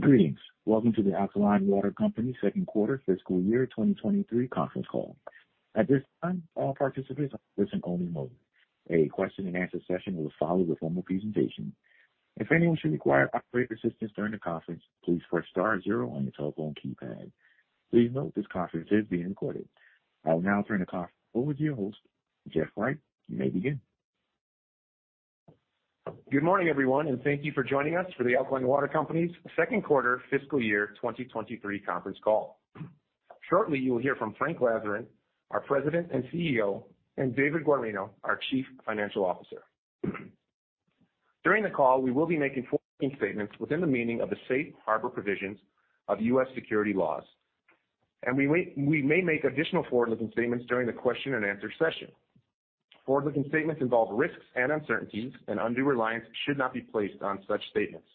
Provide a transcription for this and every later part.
Greetings. Welcome to The Alkaline Water Company's Second Quarter Fiscal Year 2023 Conference Call. At this time, all participants are in listen-only mode. A question-and-answer session will follow the formal presentation. If anyone should require operator assistance during the conference, please press star zero on your telephone keypad. Please note this conference is being recorded. I'll now turn the conference over to your host, Jeff Wright. You may begin. Good morning, everyone, and thank you for joining us for The Alkaline Water Company's Second Quarter Fiscal Year 2023 Conference Call. Shortly, you will hear from Frank Lazaran, our President and CEO, and David Guarino, our Chief Financial Officer. During the call, we will be making forward-looking statements within the meaning of the safe harbor provisions of U.S. securities laws, and we may make additional forward-looking statements during the question and answer session. Forward-looking statements involve risks and uncertainties, and undue reliance should not be placed on such statements.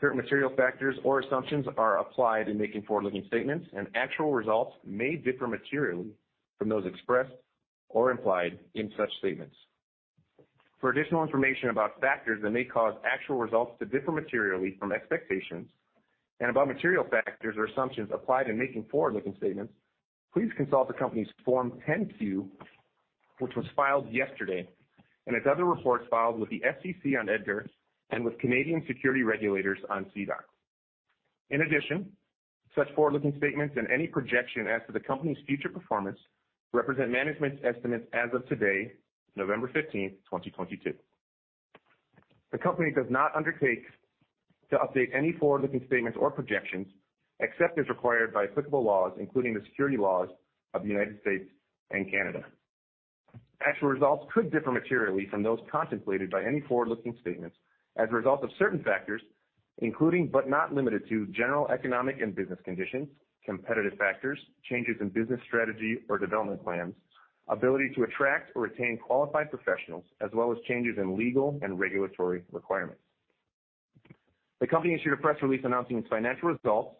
Certain material factors or assumptions are applied in making forward-looking statements, and actual results may differ materially from those expressed or implied in such statements. For additional information about factors that may cause actual results to differ materially from expectations and about material factors or assumptions applied in making forward-looking statements, please consult the company's Form 10-Q, which was filed yesterday, and as other reports filed with the SEC on EDGAR and with Canadian securities regulators on SEDAR. In addition, such forward-looking statements and any projection as to the company's future performance represent management's estimates as of today, November 15th, 2022. The company does not undertake to update any forward-looking statements or projections except as required by applicable laws, including the securities laws of the United States and Canada. Actual results could differ materially from those contemplated by any forward-looking statements as a result of certain factors, including, but not limited to, general economic and business conditions, competitive factors, changes in business strategy or development plans, ability to attract or retain qualified professionals, as well as changes in legal and regulatory requirements. The company issued a press release announcing its financial results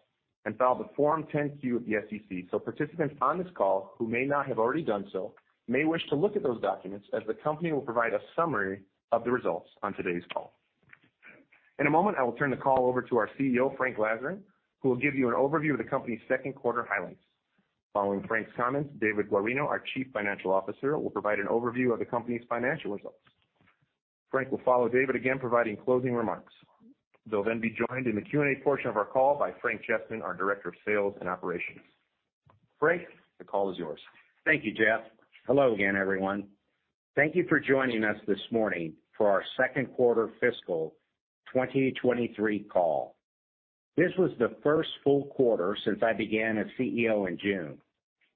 and filed a Form 10-Q with the SEC. Participants on this call who may not have already done so may wish to look at those documents as the company will provide a summary of the results on today's call. In a moment, I will turn the call over to our CEO, Frank Lazaran, who will give you an overview of the company's second quarter highlights. Following Frank's comments, David Guarino, our Chief Financial Officer, will provide an overview of the company's financial results. Frank will follow David again, providing closing remarks. They'll then be joined in the Q&A portion of our call by Frank Chessman, our Director of Sales and Operations. Frank, the call is yours. Thank you, Jeff. Hello again, everyone. Thank you for joining us this morning for our second quarter fiscal 2023 call. This was the first full quarter since I began as CEO in June,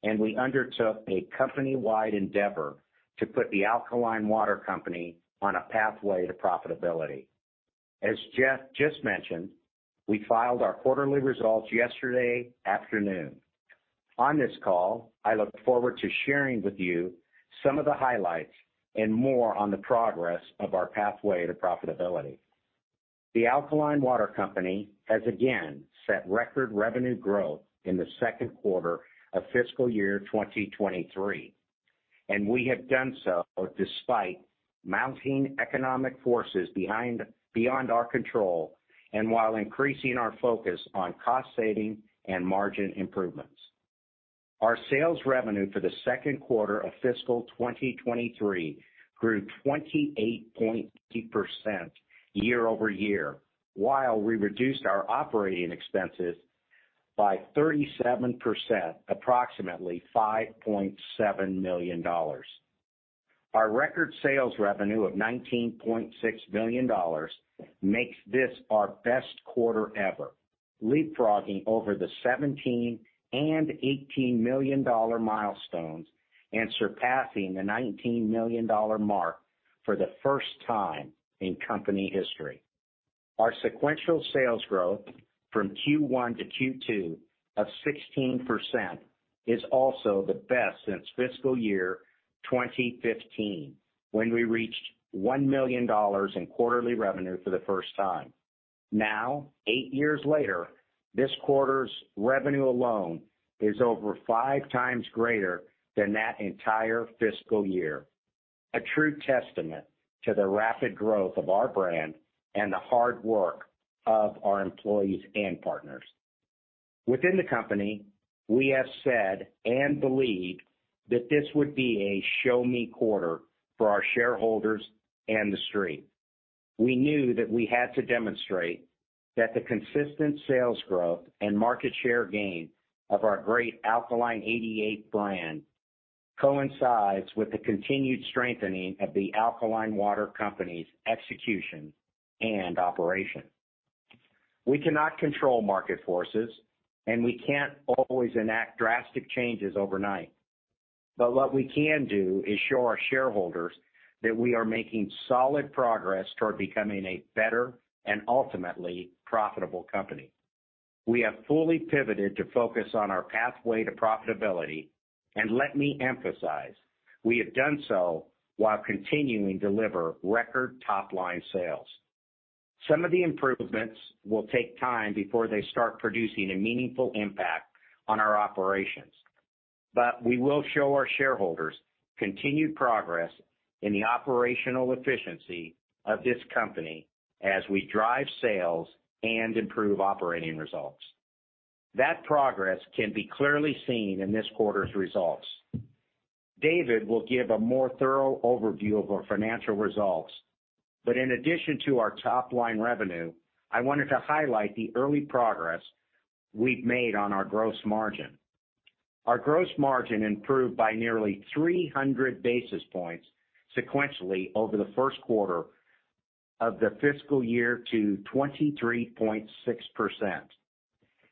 and we undertook a company-wide endeavor to put The Alkaline Water Company on a pathway to profitability. As Jeff just mentioned, we filed our quarterly results yesterday afternoon. On this call, I look forward to sharing with you some of the highlights and more on the progress of our pathway to profitability. The Alkaline Water Company has again set record revenue growth in the second quarter of fiscal year 2023, and we have done so despite mounting economic forces beyond our control and while increasing our focus on cost saving and margin improvements. Our sales revenue for the second quarter of fiscal 2023 grew 28.2% year-over-year, while we reduced our operating expenses by 37%, approximately $5.7 million. Our record sales revenue of $19.6 million makes this our best quarter ever, leapfrogging over the $17 million and $18 million milestones and surpassing the $19 million mark for the first time in company history. Our sequential sales growth from Q1 to Q2 of 16% is also the best since fiscal year 2015, when we reached $1 million in quarterly revenue for the first time. Now, eight years later, this quarter's revenue alone is over 5x greater than that entire fiscal year. A true testament to the rapid growth of our brand and the hard work of our employees and partners. Within the company, we have said and believed that this would be a show me quarter for our shareholders and the street. We knew that we had to demonstrate that the consistent sales growth and market share gain of our great Alkaline88 brand coincides with the continued strengthening of the Alkaline Water Company's execution and operation. We cannot control market forces, and we can't always enact drastic changes overnight. What we can do is show our shareholders that we are making solid progress toward becoming a better and ultimately profitable company. We have fully pivoted to focus on our pathway to profitability, and let me emphasize, we have done so while continuing to deliver record top-line sales. Some of the improvements will take time before they start producing a meaningful impact on our operations. We will show our shareholders continued progress in the operational efficiency of this company as we drive sales and improve operating results. That progress can be clearly seen in this quarter's results. David will give a more thorough overview of our financial results, but in addition to our top-line revenue, I wanted to highlight the early progress we've made on our gross margin. Our gross margin improved by nearly 300 basis points sequentially over the first quarter of the fiscal year to 23.6%.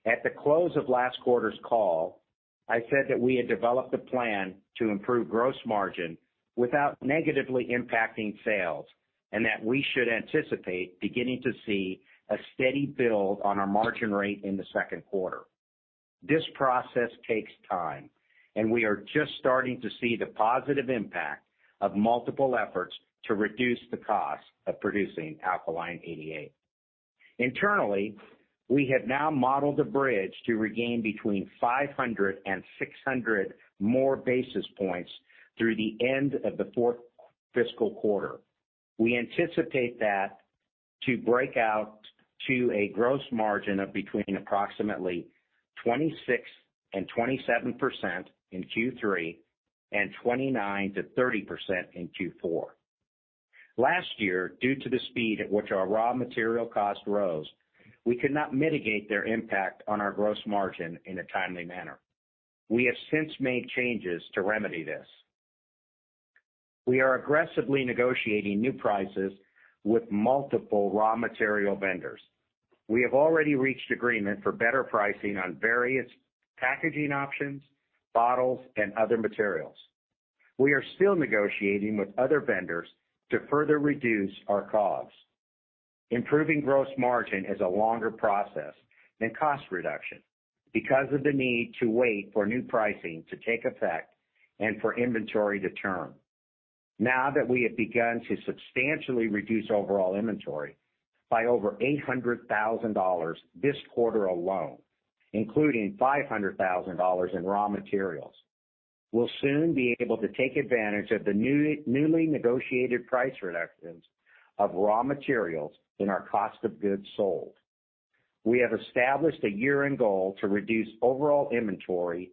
At the close of last quarter's call, I said that we had developed a plan to improve gross margin without negatively impacting sales, and that we should anticipate beginning to see a steady build on our margin rate in the second quarter. This process takes time, and we are just starting to see the positive impact of multiple efforts to reduce the cost of producing Alkaline88. Internally, we have now modeled a bridge to regain between 500 basis points and 600 more basis points through the end of the fourth fiscal quarter. We anticipate that to break out to a gross margin of between approximately 26% and 27% in Q3, and 29%-30% in Q4. Last year, due to the speed at which our raw material cost rose, we could not mitigate their impact on our gross margin in a timely manner. We have since made changes to remedy this. We are aggressively negotiating new prices with multiple raw material vendors. We have already reached agreement for better pricing on various packaging options, bottles, and other materials. We are still negotiating with other vendors to further reduce our costs. Improving gross margin is a longer process than cost reduction because of the need to wait for new pricing to take effect and for inventory to turn. Now that we have begun to substantially reduce overall inventory by over $800,000 this quarter alone, including $500,000 in raw materials, we'll soon be able to take advantage of the newly negotiated price reductions of raw materials in our cost of goods sold. We have established a year-end goal to reduce overall inventory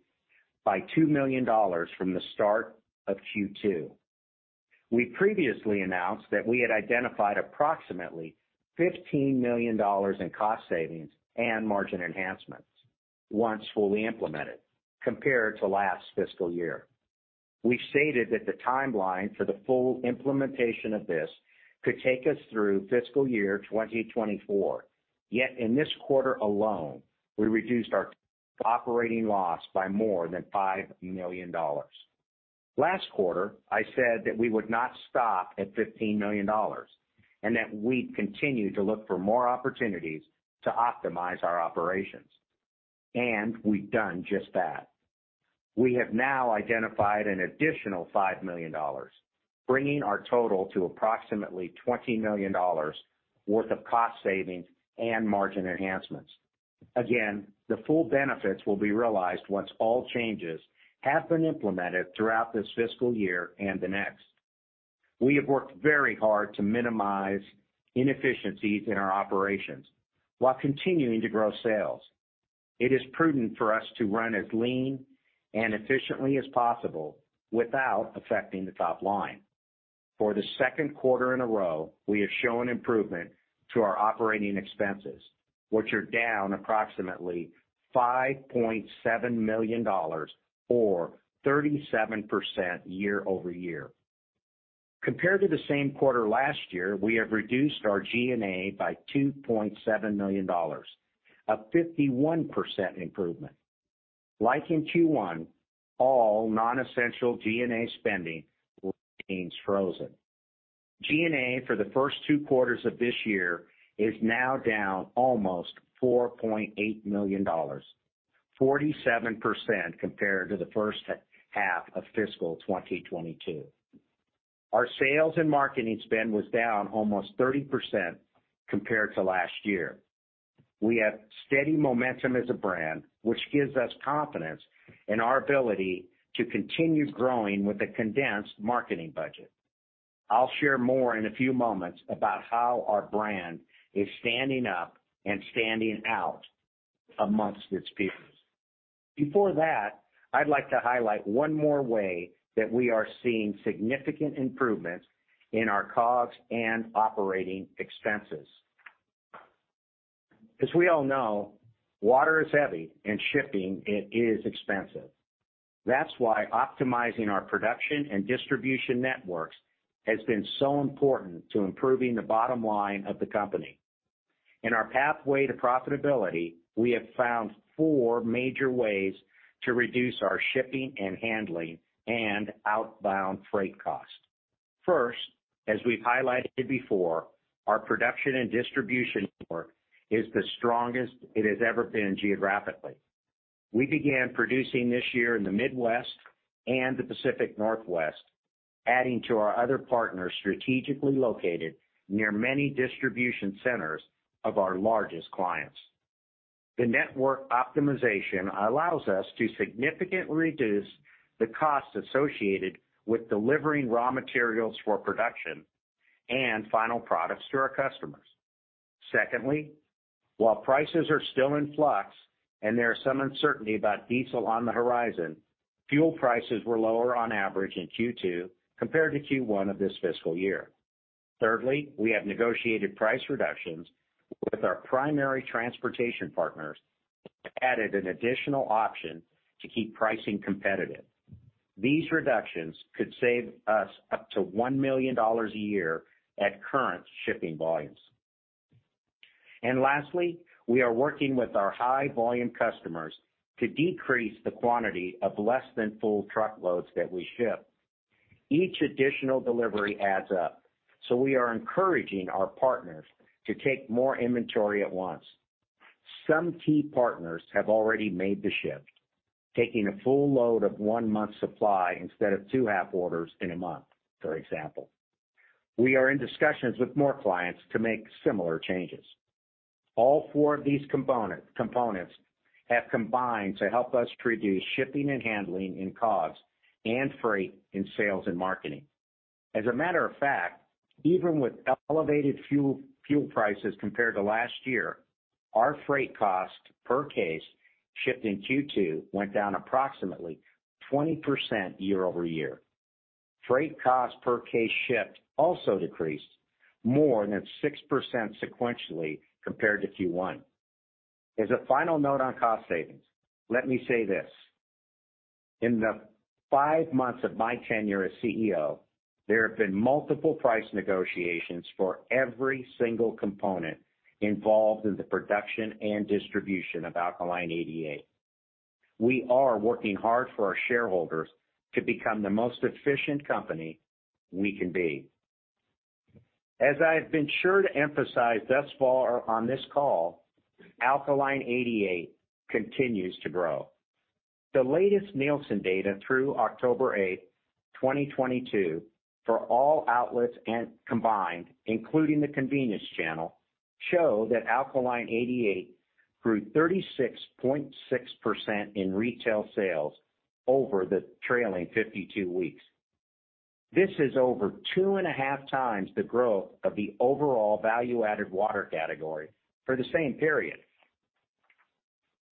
by $2 million from the start of Q2. We previously announced that we had identified approximately $15 million in cost savings and margin enhancements once fully implemented compared to last fiscal year. We stated that the timeline for the full implementation of this could take us through fiscal year 2024, yet in this quarter alone, we reduced our operating loss by more than $5 million. Last quarter, I said that we would not stop at $15 million and that we'd continue to look for more opportunities to optimize our operations, and we've done just that. We have now identified an additional $5 million, bringing our total to approximately $20 million worth of cost savings and margin enhancements. Again, the full benefits will be realized once all changes have been implemented throughout this fiscal year and the next. We have worked very hard to minimize inefficiencies in our operations while continuing to grow sales. It is prudent for us to run as lean and efficiently as possible without affecting the top line. For the second quarter in a row, we have shown improvement to our operating expenses, which are down approximately $5.7 million or 37% year-over-year. Compared to the same quarter last year, we have reduced our G&A by $2.7 million, a 51% improvement. Like in Q1, all non-essential G&A spending remains frozen. G&A for the first two quarters of this year is now down almost $4.8 million, 47% compared to the first half of fiscal 2022. Our sales and marketing spend was down almost 30% compared to last year. We have steady momentum as a brand, which gives us confidence in our ability to continue growing with a condensed marketing budget. I'll share more in a few moments about how our brand is standing up and standing out amongst its peers. Before that, I'd like to highlight one more way that we are seeing significant improvements in our COGS and operating expenses. As we all know, water is heavy and shipping it is expensive. That's why optimizing our production and distribution networks has been so important to improving the bottom line of the company. In our pathway to profitability, we have found four major ways to reduce our shipping and handling and outbound freight cost. First, as we've highlighted before, our production and distribution network is the strongest it has ever been geographically. We began producing this year in the Midwest and the Pacific Northwest, adding to our other partners strategically located near many distribution centers of our largest clients. The network optimization allows us to significantly reduce the costs associated with delivering raw materials for production and final products to our customers. Secondly, while prices are still in flux and there are some uncertainty about diesel on the horizon, fuel prices were lower on average in Q2 compared to Q1 of this fiscal year. Thirdly, we have negotiated price reductions with our primary transportation partners, added an additional option to keep pricing competitive. These reductions could save us up to $1 million a year at current shipping volumes. Lastly, we are working with our high volume customers to decrease the quantity of less than full truckloads that we ship. Each additional delivery adds up, so we are encouraging our partners to take more inventory at once. Some key partners have already made the shift, taking a full load of one month's supply instead of two half orders in a month, for example. We are in discussions with more clients to make similar changes. All four of these components have combined to help us reduce shipping and handling in COGS and freight in sales and marketing. As a matter of fact, even with elevated fuel prices compared to last year, our freight cost per case shipped in Q2 went down approximately 20% year-over-year. Freight cost per case shipped also decreased more than 6% sequentially compared to Q1. As a final note on cost savings, let me say this. In the five months of my tenure as CEO, there have been multiple price negotiations for every single component involved in the production and distribution of Alkaline88. We are working hard for our shareholders to become the most efficient company we can be. As I have been sure to emphasize thus far on this call, Alkaline88 continues to grow. The latest Nielsen data through October 8, 2022 for all outlets and combined, including the convenience channel, show that Alkaline88 grew 36.6% in retail sales over the trailing 52 weeks. This is over 2.5x the growth of the overall value-added water category for the same period.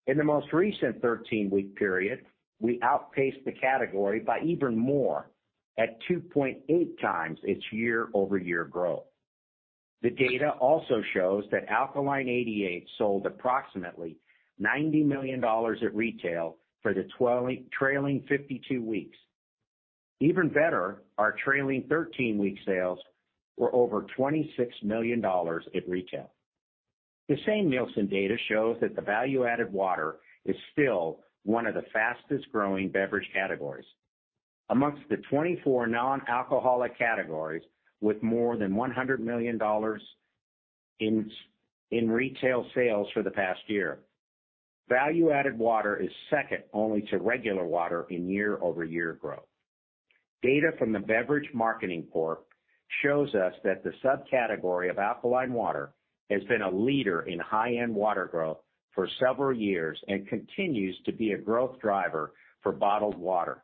In the most recent 13-week period, we outpaced the category by even more at 2.8x its year-over-year growth. The data also shows that Alkaline88 sold approximately $90 million at retail for the trailing 52 weeks. Even better, our trailing 13-week sales were over $26 million at retail. The same Nielsen data shows that the value-added water is still one of the fastest-growing beverage categories. Among the 24 non-alcoholic categories with more than $100 million in retail sales for the past year, value-added water is second only to regular water in year-over-year growth. Data from the Beverage Marketing Corporation shows us that the subcategory of alkaline water has been a leader in high-end water growth for several years and continues to be a growth driver for bottled water.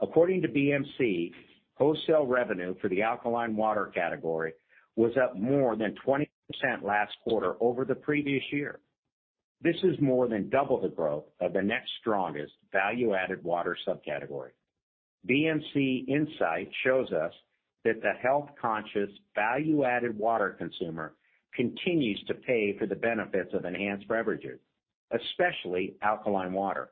According to BMC, wholesale revenue for the alkaline water category was up more than 20% last quarter over the previous year. This is more than double the growth of the next strongest value-added water subcategory. BMC insight shows us that the health-conscious value-added water consumer continues to pay for the benefits of enhanced beverages, especially alkaline water.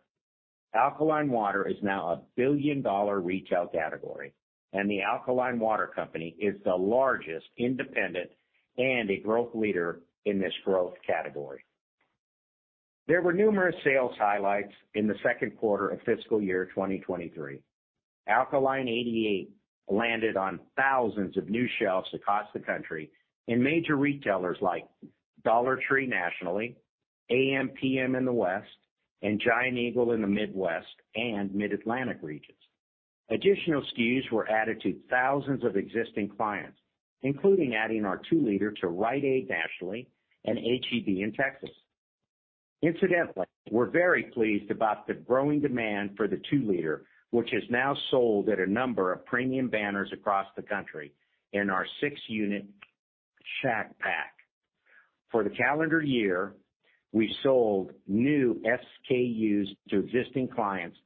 Alkaline water is now a billion-dollar retail category, and the Alkaline Water Company is the largest independent and a growth leader in this growth category. There were numerous sales highlights in the second quarter of fiscal year 2023. Alkaline88 landed on thousands of new shelves across the country in major retailers like Dollar Tree nationally, ampm in the West, and Giant Eagle in the Midwest and Mid-Atlantic regions. Additional SKUs were added to thousands of existing clients, including adding our two-Liter to Rite Aid nationally and H-E-B in Texas. Incidentally, we're very pleased about the growing demand for the two-Liter, which is now sold at a number of premium banners across the country in our six-unit Shaq Paq. For the calendar year, we sold new SKUs to existing clients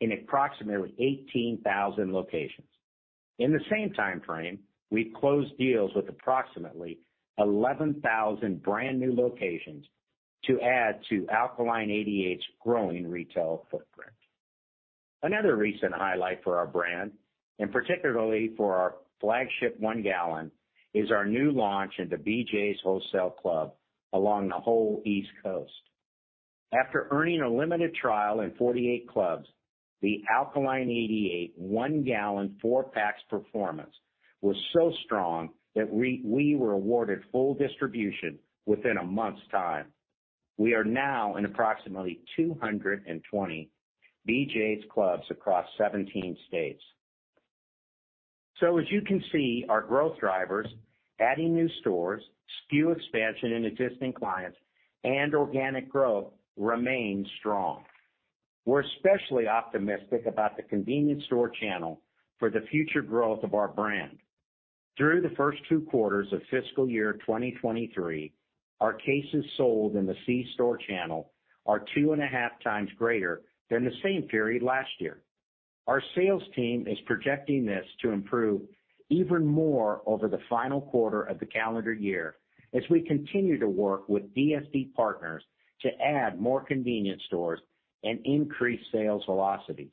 in approximately 18,000 locations. In the same time frame, we closed deals with approximately 11,000 brand-new locations to add to Alkaline88's growing retail footprint. Another recent highlight for our brand, and particularly for our flagship one-gallon, is our new launch into BJ's Wholesale Club along the whole East Coast. After earning a limited trial in 48 clubs, the Alkaline88 one-gallon four-pack's performance was so strong that we were awarded full distribution within a month's time. We are now in approximately 220 BJ's Clubs across 17 states. As you can see, our growth drivers, adding new stores, SKU expansion in existing clients, and organic growth remains strong. We're especially optimistic about the convenience store channel for the future growth of our brand. Through the first two quarters of fiscal year 2023, our cases sold in the C-store channel are 2.5x greater than the same period last year. Our sales team is projecting this to improve even more over the final quarter of the calendar year as we continue to work with DSD partners to add more convenience stores and increase sales velocities.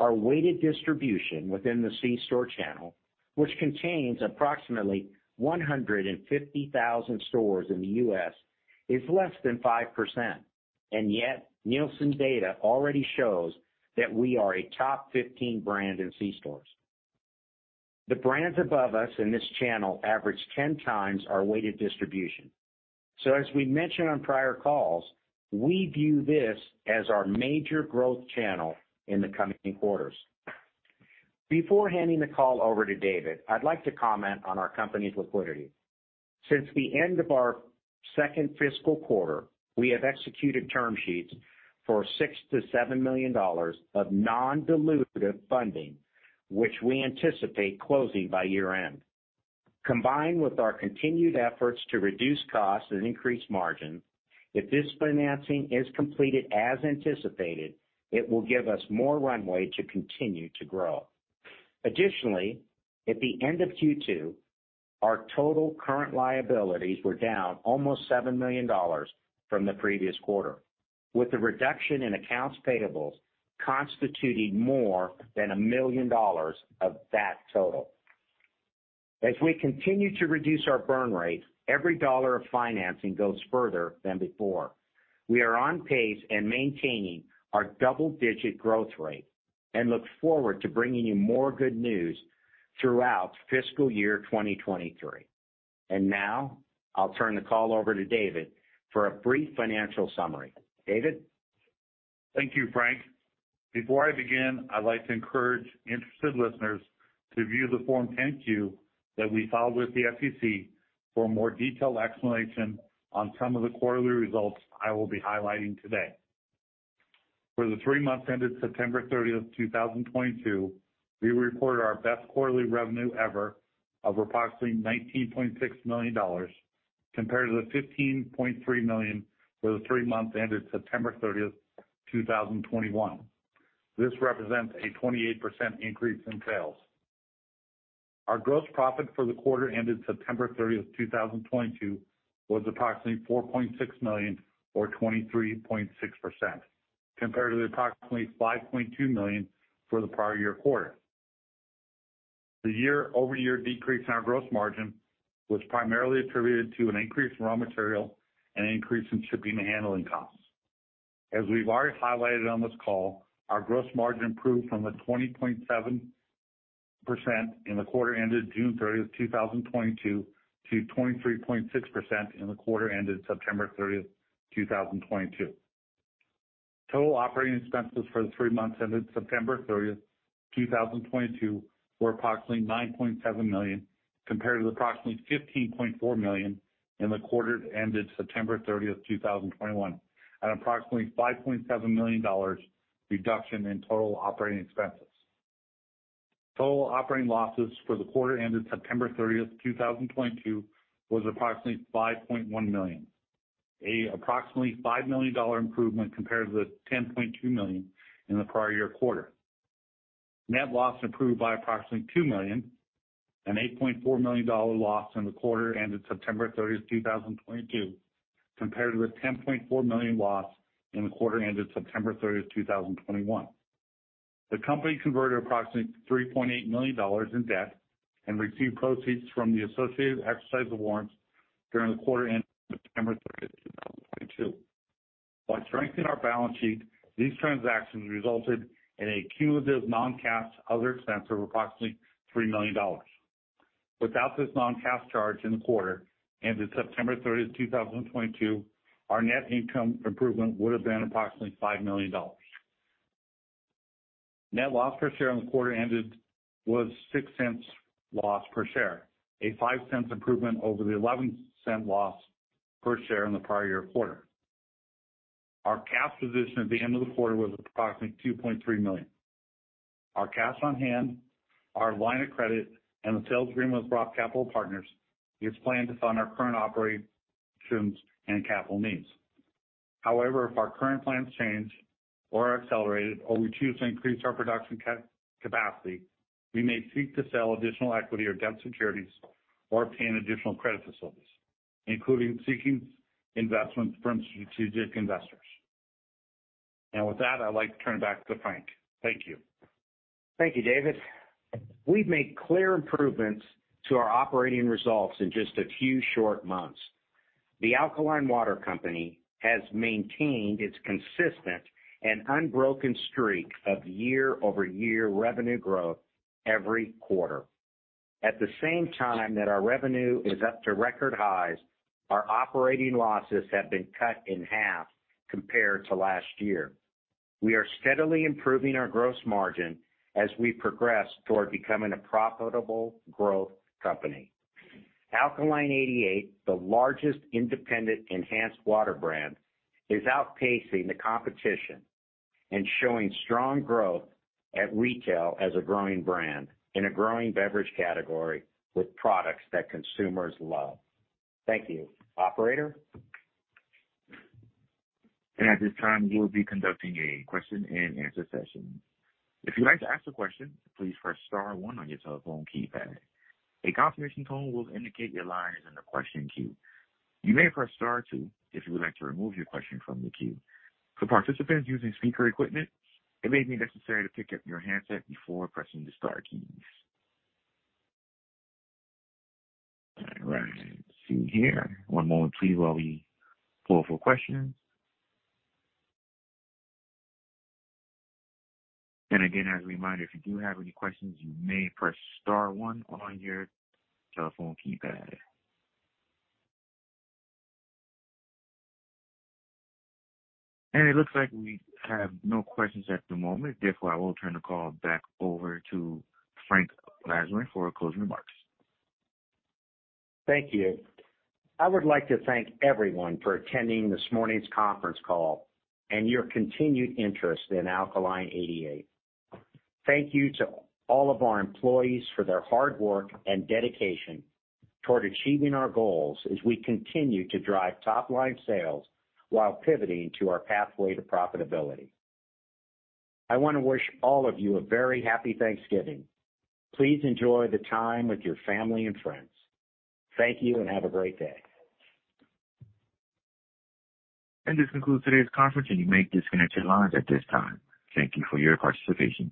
Our weighted distribution within the C-store channel, which contains approximately 150,000 stores in the U.S., is less than 5%, and yet Nielsen data already shows that we are a top 15 brand in C-stores. The brands above us in this channel average 10x our weighted distribution. As we mentioned on prior calls, we view this as our major growth channel in the coming quarters. Before handing the call over to David, I'd like to comment on our company's liquidity. Since the end of our second fiscal quarter, we have executed term sheets for $6 million-$7 million of non-dilutive funding, which we anticipate closing by year-end. Combined with our continued efforts to reduce costs and increase margin, if this financing is completed as anticipated, it will give us more runway to continue to grow. Additionally, at the end of Q2, our total current liabilities were down almost $7 million from the previous quarter, with the reduction in accounts payables constituting more than $1 million of that total. As we continue to reduce our burn rate, every dollar of financing goes further than before. We are on pace and maintaining our double-digit growth rate and look forward to bringing you more good news throughout fiscal year 2023. Now I'll turn the call over to David for a brief financial summary. David? Thank you, Frank. Before I begin, I'd like to encourage interested listeners to view the Form 10-Q that we filed with the SEC for a more detailed explanation on some of the quarterly results I will be highlighting today. For the three months ended September 30, 2022, we reported our best quarterly revenue ever of approximately $19.6 million compared to the $15.3 million for the three months ended September 30, 2021. This represents a 28% increase in sales. Our gross profit for the quarter ended September 30, 2022 was approximately $4.6 million or 23.6%, compared to the approximately $5.2 million for the prior year quarter. The year-over-year decrease in our gross margin was primarily attributed to an increase in raw material and an increase in shipping and handling costs. As we've already highlighted on this call, our gross margin improved from the 20.7% in the quarter ended June 30, 2022 to 23.6% in the quarter ended September 30, 2022. Total operating expenses for the three months ended September 30, 2022 were approximately $9.7 million, compared to the approximately $15.4 million in the quarter that ended September 30, 2021, at approximately $5.7 million dollars reduction in total operating expenses. Total operating losses for the quarter ended September 30, 2022 was approximately $5.1 million, a approximately $5 million dollar improvement compared to the $10.2 million in the prior year quarter. Net loss improved by approximately $2 million, an $8.4 million loss in the quarter ended September 30, 2022, compared to the $10.4 million loss in the quarter ended September 30, 2021. The company converted approximately $3.8 million in debt and received proceeds from the associated exercise of warrants during the quarter ended September 30, 2022. While strengthening our balance sheet, these transactions resulted in a cumulative non-cash other expense of approximately $3 million. Without this non-cash charge in the quarter ended September 30, 2022, our net income improvement would have been approximately $5 million. Net loss per share in the quarter ended was $0.06 loss per share, a $0.05 improvement over the $0.11 loss per share in the prior year quarter. Our cash position at the end of the quarter was approximately $2.3 million. Our cash on hand, our line of credit, and the sales agreement with Brock Capital Group is planned to fund our current operations and capital needs. However, if our current plans change or are accelerated, or we choose to increase our production capacity, we may seek to sell additional equity or debt securities or obtain additional credit facilities, including seeking investment from strategic investors. With that, I'd like to turn it back to Frank. Thank you. Thank you, David. We've made clear improvements to our operating results in just a few short months. The Alkaline Water Company has maintained its consistent and unbroken streak of year-over-year revenue growth every quarter. At the same time that our revenue is up to record highs, our operating losses have been cut in half compared to last year. We are steadily improving our gross margin as we progress toward becoming a profitable growth company. Alkaline88, the largest independent enhanced water brand, is outpacing the competition and showing strong growth at retail as a growing brand in a growing beverage category with products that consumers love. Thank you. Operator? At this time, we'll be conducting a question-and-answer session. If you'd like to ask a question, please press star one on your telephone keypad. A confirmation tone will indicate your line is in the question queue. You may press star two if you would like to remove your question from the queue. For participants using speaker equipment, it may be necessary to pick up your handset before pressing the star keys. All right. Let's see here. One moment please while we pull for questions. Again, as a reminder, if you do have any questions, you may press star one on your telephone keypad. It looks like we have no questions at the moment. Therefore, I will turn the call back over to Frank Lazaran for closing remarks. Thank you. I would like to thank everyone for attending this morning's conference call and your continued interest in Alkaline88. Thank you to all of our employees for their hard work and dedication toward achieving our goals as we continue to drive top line sales while pivoting to our pathway to profitability. I wanna wish all of you a very happy Thanksgiving. Please enjoy the time with your family and friends. Thank you and have a great day. This concludes today's conference, and you may disconnect your lines at this time. Thank you for your participation.